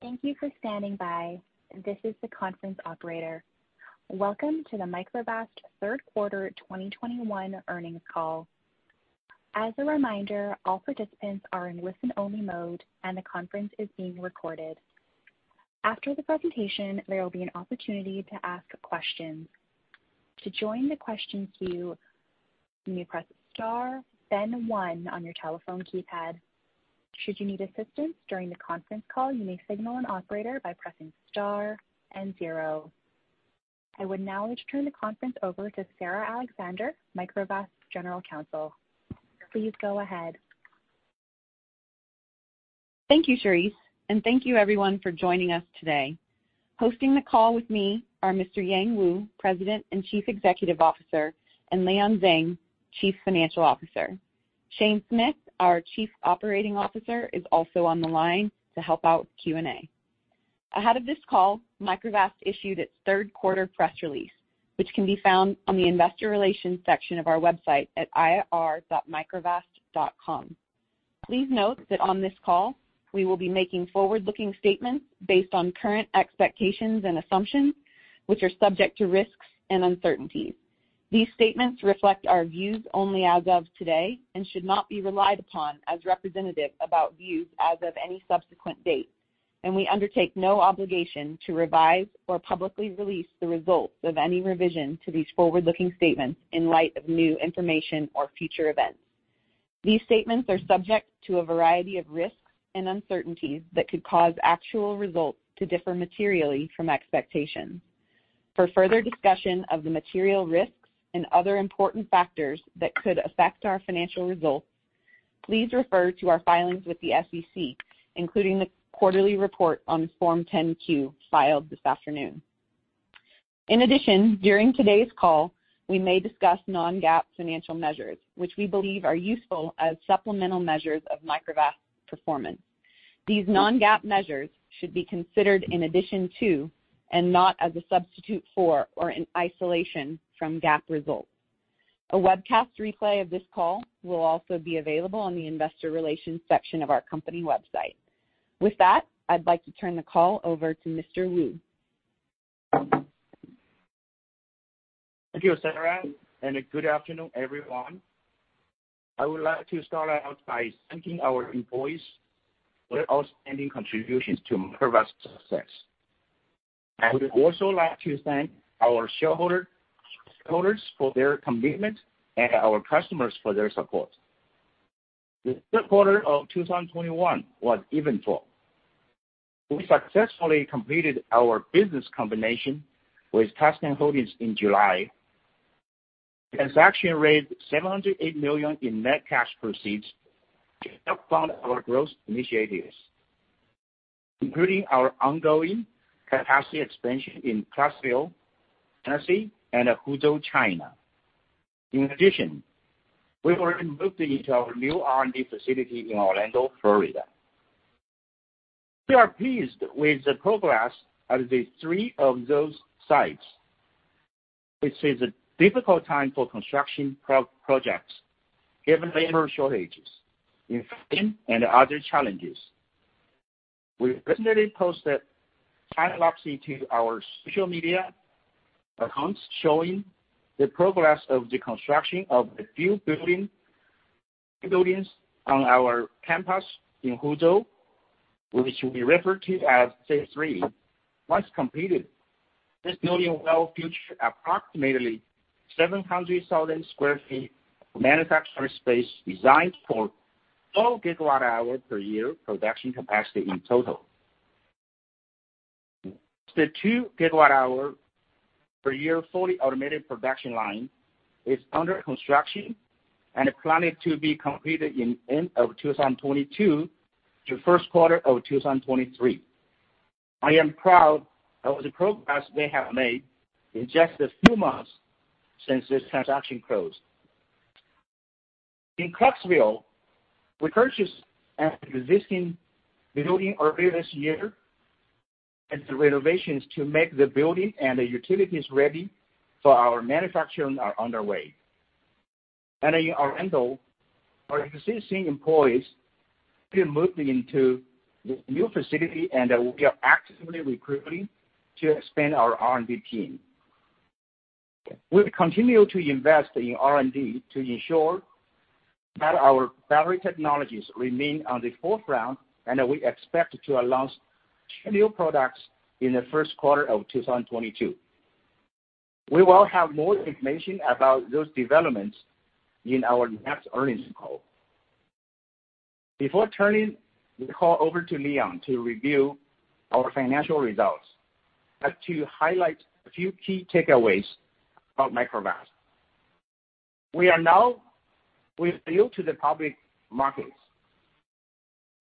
Thank you for standing by. This is the conference operator. Welcome to the Microvast third quarter 2021 earnings call. As a reminder, all participants are in listen-only mode, and the conference is being recorded. After the presentation, there will be an opportunity to ask questions. To join the question queue, you may press star then one on your telephone keypad. Should you need assistance during the conference call, you may signal an operator by pressing star and zero. I would now like to turn the conference over to Sarah Alexander, Microvast General Counsel. Please go ahead. Thank you, Cherise, and thank you everyone for joining us today. Hosting the call with me are Mr. Yang Wu, President and Chief Executive Officer, and Leon Zheng, Chief Financial Officer. Shane Smith, our Chief Operating Officer, is also on the line to help out with Q&A. Ahead of this call, Microvast issued its third quarter press release, which can be found on the investor relations section of our website at ir.microvast.com. Please note that on this call, we will be making forward-looking statements based on current expectations and assumptions, which are subject to risks and uncertainties. These statements reflect our views only as of today and should not be relied upon as representative about views as of any subsequent date. We undertake no obligation to revise or publicly release the results of any revision to these forward-looking statements in light of new information or future events. These statements are subject to a variety of risks and uncertainties that could cause actual results to differ materially from expectations. For further discussion of the material risks and other important factors that could affect our financial results, please refer to our filings with the SEC, including the quarterly report on Form 10-Q filed this afternoon. In addition, during today's call, we may discuss non-GAAP financial measures, which we believe are useful as supplemental measures of Microvast performance. These non-GAAP measures should be considered in addition to and not as a substitute for or in isolation from GAAP results. A webcast replay of this call will also be available on the investor relations section of our company website. With that, I'd like to turn the call over to Mr. Wu. Thank you, Sarah, and good afternoon, everyone. I would like to start out by thanking our employees for their outstanding contributions to Microvast's success. I would also like to thank our shareholders for their commitment and our customers for their support. The third quarter of 2021 was eventful. We successfully completed our business combination with Tuscan Holdings in July. The transaction raised $708 million in net cash proceeds to help fund our growth initiatives, including our ongoing capacity expansion in Clarksville, Tennessee and Huzhou, China. In addition, we've already moved into our new R&D facility in Orlando, Florida. We are pleased with the progress at the three of those sites, which is a difficult time for construction projects given labor shortages, inflation and other challenges. We recently posted time-lapse into our social media accounts showing the progress of the construction of the new buildings on our campus in Huzhou, which will be referred to as Phase three. Once completed, this building will feature approximately 700,000 sq ft of manufacturing space designed for 4 GWh per year production capacity in total. The 2 GWh per year fully automated production line is under construction and is planning to be completed in end of 2022 to first quarter of 2023. I am proud of the progress we have made in just a few months since this transaction closed. In Clarksville, we purchased an existing building earlier this year, and the renovations to make the building and the utilities ready for our manufacturing are underway. In Orlando, our existing employees have been moving into the new facility, and we are actively recruiting to expand our R&D team. We continue to invest in R&D to ensure that our battery technologies remain on the forefront, and we expect to announce two new products in the first quarter of 2022. We will have more information about those developments in our next earnings call. Before turning the call over to Leon to review our financial results, I'd like to highlight a few key takeaways about Microvast. We are now live to the public markets,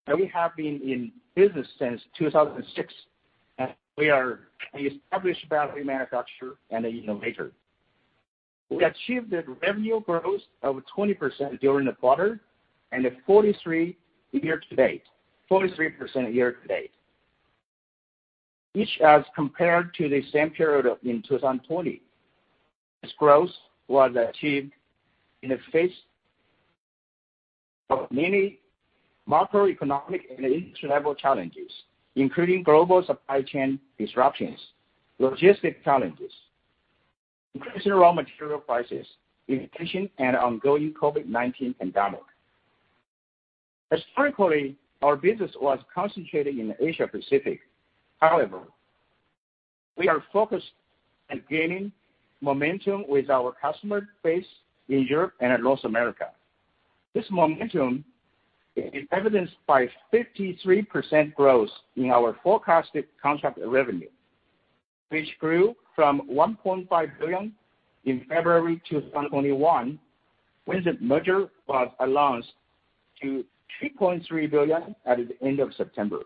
and we have been in business since 2006. We are an established battery manufacturer and innovator. We achieved revenue growth of 20% during the quarter and 43% year to date, each as compared to the same period in 2020. This growth was achieved in the face of many macroeconomic and industry-level challenges, including global supply chain disruptions, logistic challenges, increasing raw material prices, inflation, and ongoing COVID-19 pandemic. Historically, our business was concentrated in Asia Pacific. However, we are focused on gaining momentum with our customer base in Europe and North America. This momentum is evidenced by 53% growth in our forecasted contract revenue, which grew from $1.5 billion in February 2021, when the merger was announced, to $2.3 billion at the end of September.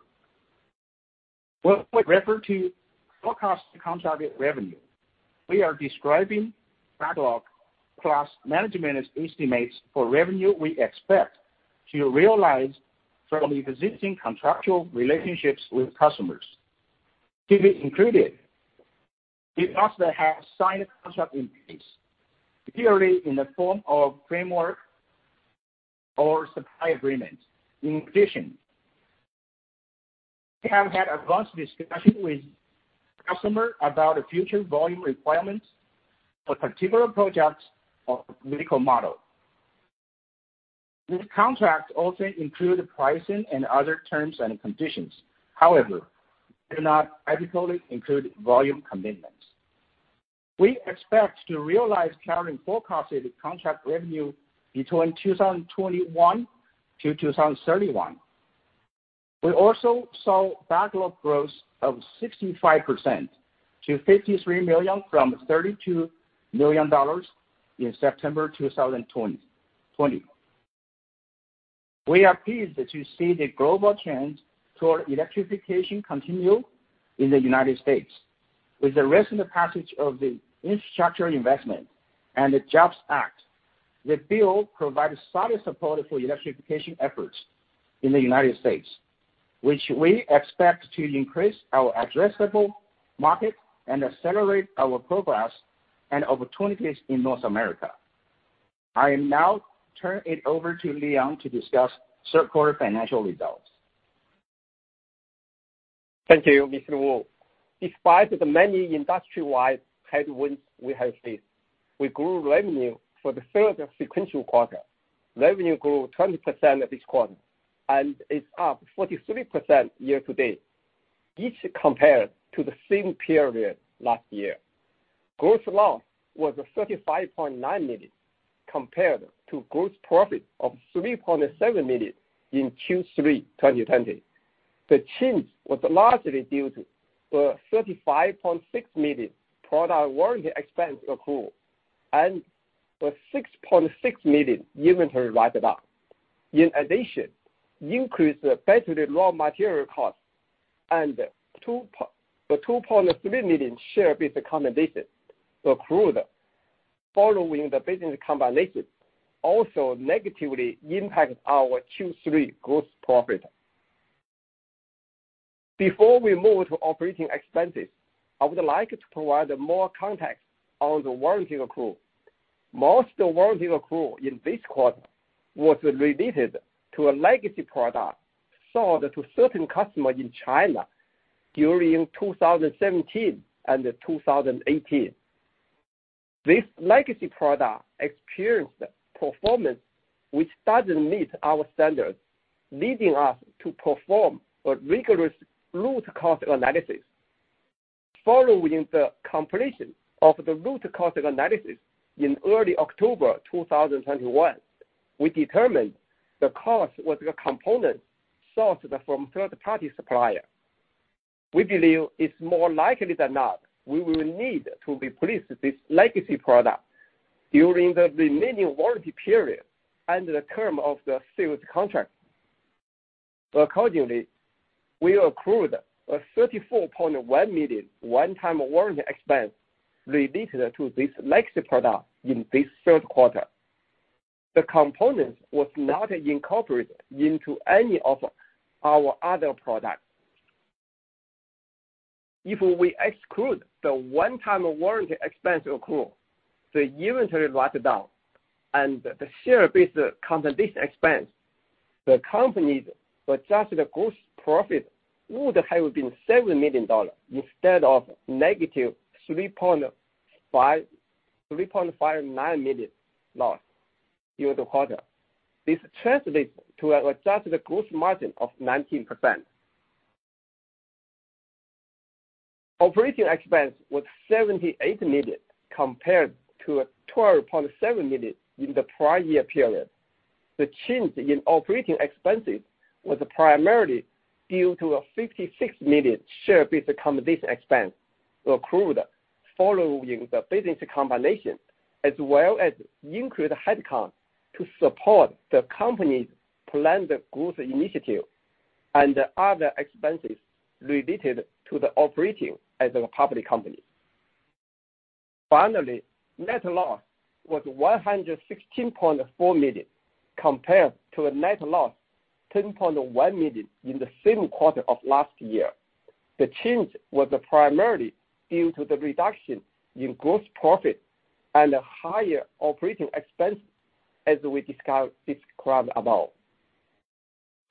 When we refer to forecast contract revenue, we are describing backlog plus management's estimates for revenue we expect to realize from the existing contractual relationships with customers. To be included, we also have signed contract increase, purely in the form of framework or supply agreements. In addition, we have had advanced discussions with customers about the future volume requirements for particular products or vehicle models. These contracts also include pricing and other terms and conditions. However, they do not adequately include volume commitments. We expect to realize current forecasted contract revenue between 2021 to 2031. We also saw backlog growth of 65% to $53 million from $32 million in September 2020. We are pleased to see the global trend toward electrification continue in the United States. With the recent passage of the Infrastructure Investment and Jobs Act, the bill provides solid support for electrification efforts in the United States, which we expect to increase our addressable market and accelerate our progress and opportunities in North America. I now turn it over to Leon to discuss third quarter financial results. Thank you, Mr. Wu. Despite the many industry-wide headwinds we have faced, we grew revenue for the third sequential quarter. Revenue grew 20% this quarter, and is up 43% year-to-date, each compared to the same period last year. Gross loss was $35.9 million, compared to gross profit of $3.7 million in Q3 2020. The change was largely due to a $35.6 million product warranty expense accrual and a $6.6 million inventory write down. In addition, increased battery raw material costs and the $2.3 million share-based compensation accrued following the business combination also negatively impacted our Q3 gross profit. Before we move to operating expenses, I would like to provide more context on the warranty accrual. Most warranty accrual in this quarter was related to a legacy product sold to certain customers in China during 2017 and 2018. This legacy product experienced performance which doesn't meet our standards, leading us to perform a rigorous root cause analysis. Following the completion of the root cause analysis in early October 2021, we determined the cause was a component sourced from third-party supplier. We believe it's more likely than not we will need to replace this legacy product during the remaining warranty period and the term of the sales contract. Accordingly, we accrued a $34.1 million one-time warranty expense related to this legacy product in this third quarter. The component was not incorporated into any of our other products. If we exclude the one-time warranty expense accrual, the inventory write down, and the share-based compensation expense, the company's adjusted gross profit would have been $7 million instead of -$3.59 million loss during the quarter. This translates to an adjusted gross margin of 19%. Operating expense was $78 million, compared to $12.7 million in the prior year period. The change in operating expenses was primarily due to a $56 million share-based compensation expense accrued following the business combination, as well as increased headcounts to support the company's planned growth initiative and other expenses related to the operating as a public company. Net loss was $116.4 million, compared to a net loss $10.1 million in the same quarter of last year. The change was primarily due to the reduction in gross profit and a higher operating expense, as we discussed, described above.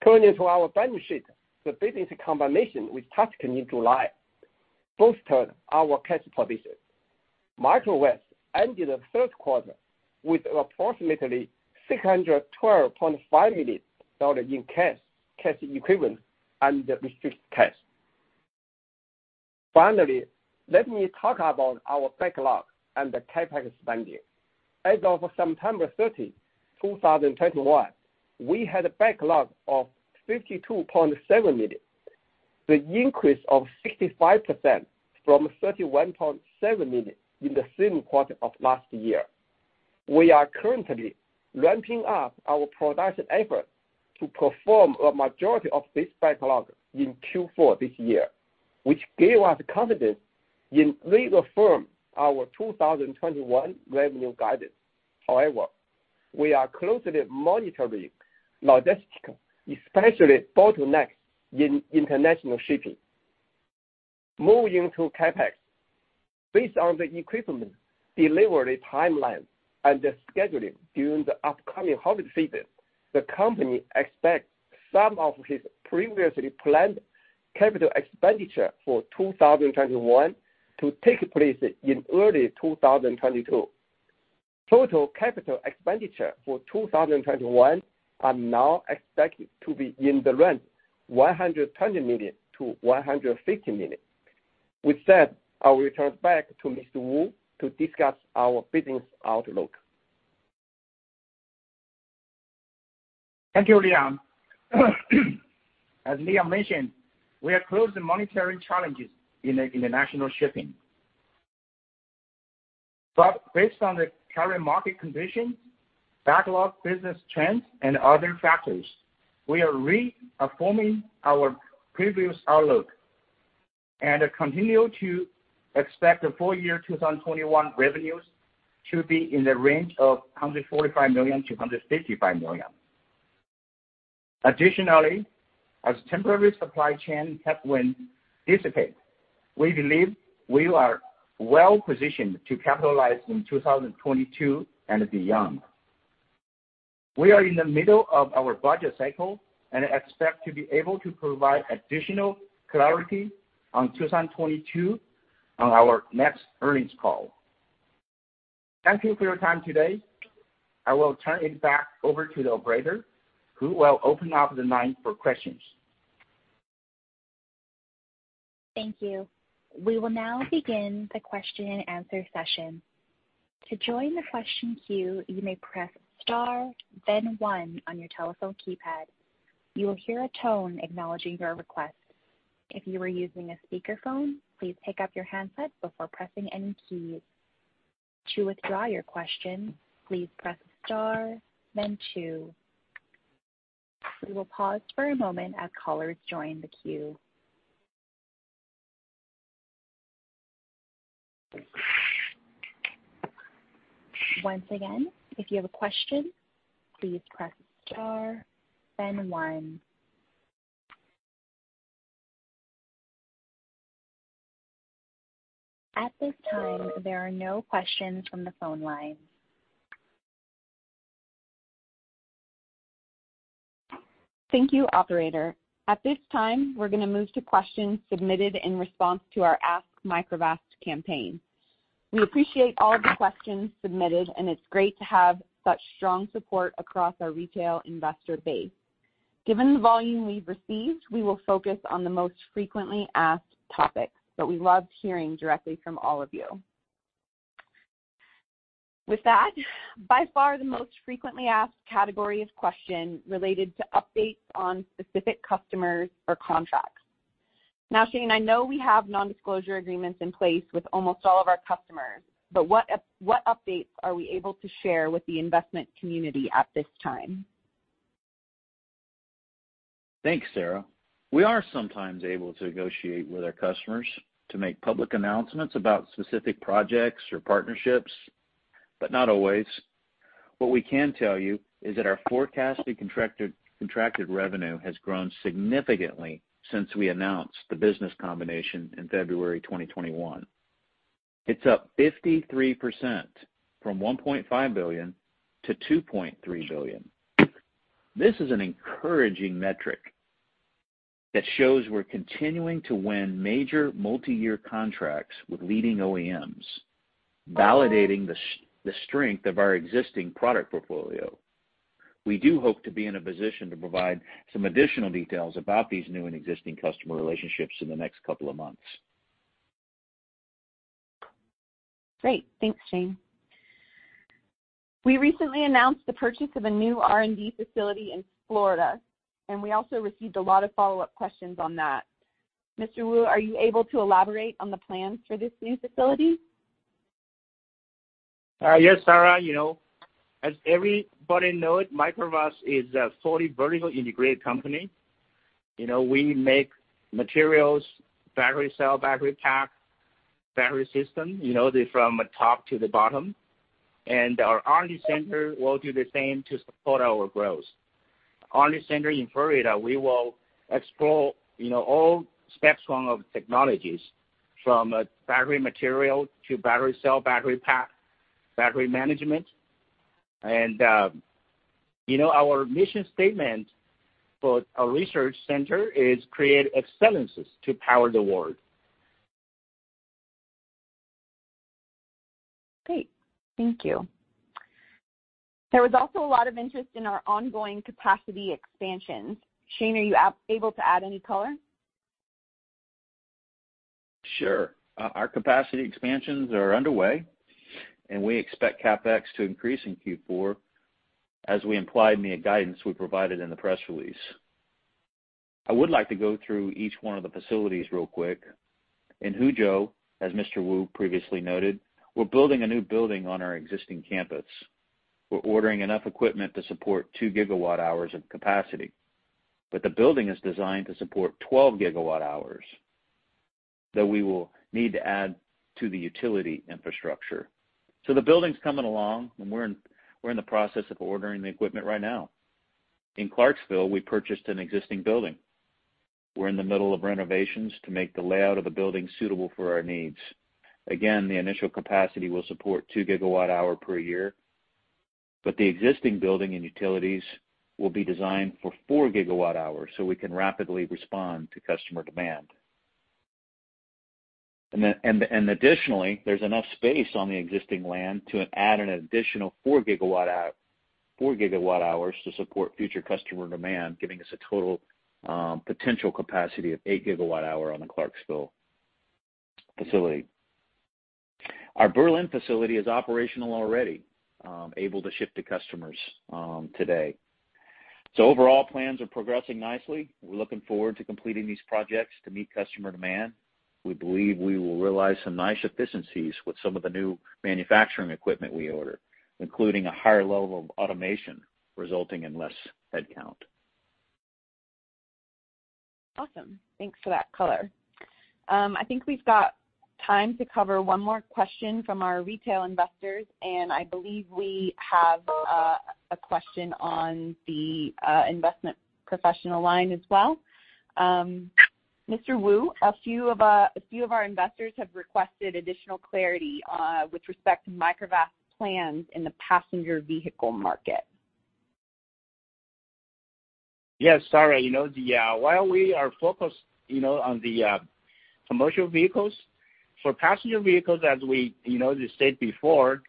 Turning to our balance sheet. The business combination with Tuscan in July bolstered our cash position. Microvast ended the third quarter with approximately $612.5 million in cash equivalents and restricted cash. Finally, let me talk about our backlog and the CapEx spending. As of September 30, 2021, we had a backlog of $52.7 million, the increase of 65% from $31.7 million in the same quarter of last year. We are currently ramping up our production efforts to perform a majority of this backlog in Q4 this year, which gave us confidence and reaffirm our 2021 revenue guidance. However, we are closely monitoring logistics, especially bottlenecks in international shipping. Moving to CapEx. Based on the equipment delivery timeline and the scheduling during the upcoming holiday season, the company expects some of its previously planned capital expenditure for 2021 to take place in early 2022. Total capital expenditure for 2021 are now expected to be in the range $120 million-$150 million. With that, I will turn back to Mr. Wu to discuss our business outlook. Thank you, Leon. As Leon mentioned, we are closely monitoring challenges in international shipping. Based on the current market conditions, backlog business trends and other factors, we are re-affirming our previous outlook and continue to expect the full year 2021 revenues to be in the range of $145 million-$155 million. Additionally, as temporary supply chain headwinds dissipate, we believe we are well positioned to capitalize in 2022 and beyond. We are in the middle of our budget cycle and expect to be able to provide additional clarity on 2022 on our next earnings call. Thank you for your time today. I will turn it back over to the operator who will open up the line for questions. Thank you. We will now begin the question and answer session. To join the question queue, you may press star then one on your telephone keypad. You will hear a tone acknowledging your request. If you are using a speakerphone, please pick up your handset before pressing any keys. To withdraw your question, please press star then two. We will pause for a moment as callers join the queue. Once again, if you have a question, please press star then one. At this time, there are no questions from the phone lines. Thank you, operator. At this time, we're gonna move to questions submitted in response to our Ask Microvast campaign. We appreciate all the questions submitted, and it's great to have such strong support across our retail investor base. Given the volume we've received, we will focus on the most frequently asked topics, but we loved hearing directly from all of you. With that, by far, the most frequently asked category of question related to updates on specific customers or contracts. Now, Shane, I know we have non-disclosure agreements in place with almost all of our customers, but what updates are we able to share with the investment community at this time? Thanks, Sarah. We are sometimes able to negotiate with our customers to make public announcements about specific projects or partnerships, but not always. What we can tell you is that our forecasted contracted revenue has grown significantly since we announced the business combination in February 2021. It's up 53% from $1.5 billion to $2.3 billion. This is an encouraging metric that shows we're continuing to win major multi-year contracts with leading OEMs, validating the strength of our existing product portfolio. We do hope to be in a position to provide some additional details about these new and existing customer relationships in the next couple of months. Great. Thanks, Shane. We recently announced the purchase of a new R&D facility in Florida, and we also received a lot of follow-up questions on that. Mr. Wu, are you able to elaborate on the plans for this new facility? Yes, Sarah. You know, as everybody know it, Microvast is a fully vertical integrated company. You know, we make materials, battery cell, battery pack, battery system, you know, from top to the bottom. Our R&D center will do the same to support our growth. R&D center in Florida, we will explore, you know, all spectrum of technologies from battery material to battery cell, battery pack, battery management. You know, our mission statement for our research center is create excellence to power the world. Great. Thank you. There was also a lot of interest in our ongoing capacity expansions. Shane, are you able to add any color? Sure. Our capacity expansions are underway, and we expect CapEx to increase in Q4 as we implied in the guidance we provided in the press release. I would like to go through each one of the facilities real quick. In Huzhou, as Mr. Wu previously noted, we're building a new building on our existing campus. We're ordering enough equipment to support 2 GWh of capacity, but the building is designed to support 12 GWh that we will need to add to the utility infrastructure. The building's coming along, and we're in the process of ordering the equipment right now. In Clarksville, we purchased an existing building. We're in the middle of renovations to make the layout of the building suitable for our needs. Again, the initial capacity will support 2 GWh per year, but the existing building and utilities will be designed for 4 GWh, so we can rapidly respond to customer demand. Additionally, there's enough space on the existing land to add an additional 4 GWh to support future customer demand, giving us a total potential capacity of 8 GWh on the Clarksville facility. Our Berlin facility is operational already, able to ship to customers today. Overall plans are progressing nicely. We're looking forward to completing these projects to meet customer demand. We believe we will realize some nice efficiencies with some of the new manufacturing equipment we order, including a higher level of automation resulting in less headcount. Awesome. Thanks for that color. I think we've got time to cover one more question from our retail investors, and I believe we have a question on the investment professional line as well. Mr. Wu, a few of our investors have requested additional clarity with respect to Microvast's plans in the passenger vehicle market. Yes, Sarah. You know, while we are focused, you know, on the commercial vehicles, for passenger vehicles as we, you know, just said before,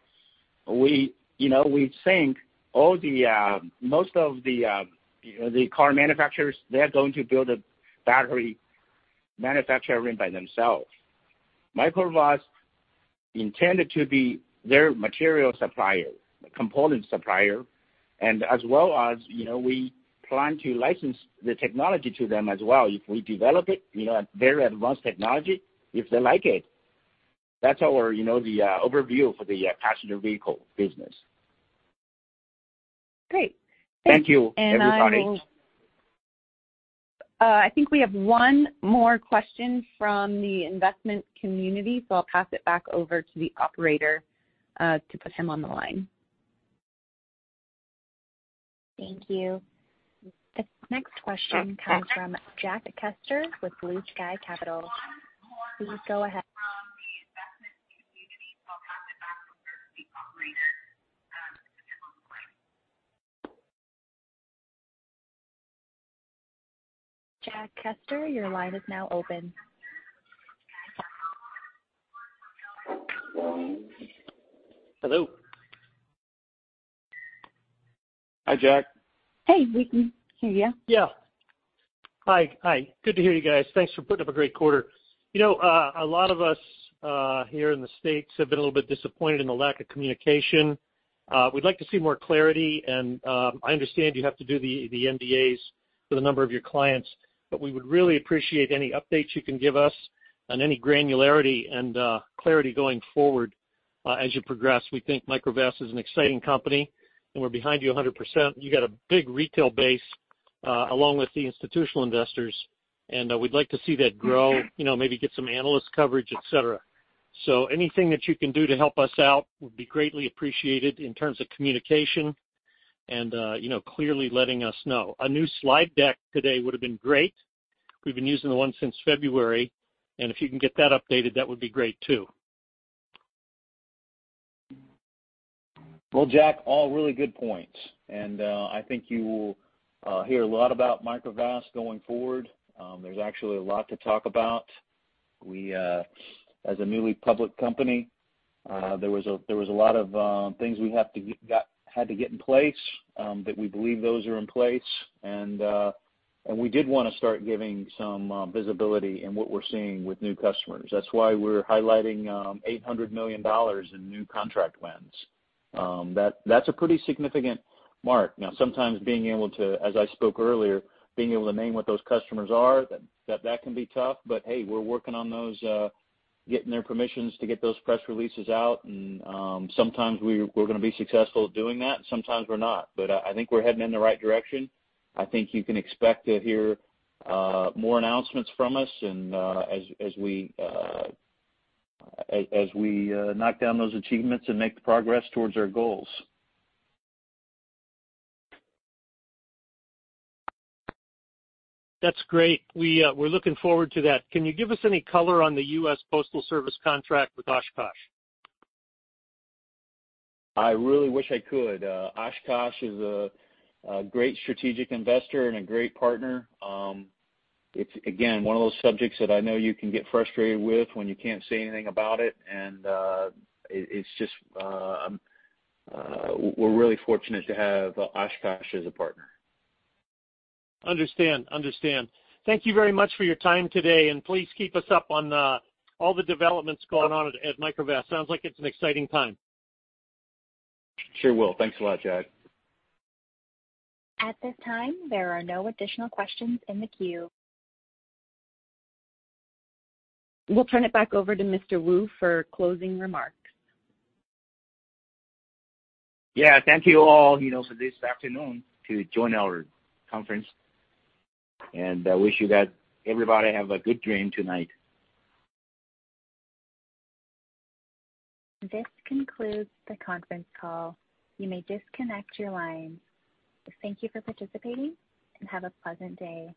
we, you know, we think most of the car manufacturers, they're going to build a battery manufacturing by themselves. Microvast intended to be their material supplier, component supplier, and as well as, you know, we plan to license the technology to them as well. If we develop it, you know, a very advanced technology, if they like it. That's our, you know, the overview for the passenger vehicle business. Great. Thank you, everybody. I think we have one more question from the investment community, so I'll pass it back over to the operator to put him on the line. Thank you. This next question comes from Jack Kester with Blue Sky Capital. Please go ahead. Jack Kester, your line is now open. Hello. Hi, Jack. Hey, we can hear you. Yeah. Hi. Hi. Good to hear you guys. Thanks for putting up a great quarter. You know, a lot of us here in the States have been a little bit disappointed in the lack of communication. We'd like to see more clarity and, I understand you have to do the NDAs for the number of your clients, but we would really appreciate any updates you can give us on any granularity and clarity going forward, as you progress. We think Microvast is an exciting company, and we're behind you 100%. You got a big retail base along with the institutional investors, and we'd like to see that grow, you know, maybe get some analyst coverage, et cetera. Anything that you can do to help us out would be greatly appreciated in terms of communication and, you know, clearly letting us know. A new slide deck today would have been great. We've been using the one since February, and if you can get that updated, that would be great too. Well, Jack, all really good points, and I think you will hear a lot about Microvast going forward. There's actually a lot to talk about. We, as a newly public company, there was a lot of things we had to get in place, but we believe those are in place. We did wanna start giving some visibility in what we're seeing with new customers. That's why we're highlighting $800 million in new contract wins. That's a pretty significant mark. Now, sometimes, as I spoke earlier, being able to name what those customers are, that can be tough. Hey, we're working on those, getting their permissions to get those press releases out. Sometimes we're gonna be successful at doing that, and sometimes we're not. I think we're heading in the right direction. I think you can expect to hear more announcements from us as we knock down those achievements and make the progress towards our goals. That's great. We're looking forward to that. Can you give us any color on the U.S. Postal Service contract with Oshkosh? I really wish I could. Oshkosh is a great strategic investor and a great partner. It's again one of those subjects that I know you can get frustrated with when you can't say anything about it. It's just we're really fortunate to have Oshkosh as a partner. Understand. Thank you very much for your time today, and please keep us up on all the developments going on at Microvast. Sounds like it's an exciting time. Sure will. Thanks a lot, Jack. At this time, there are no additional questions in the queue. We'll turn it back over to Mr. Wu for closing remarks. Yeah. Thank you all, you know, for this afternoon to join our conference, and I wish you that everybody have a good dream tonight. This concludes the conference call. You may disconnect your line. Thank you for participating and have a pleasant day.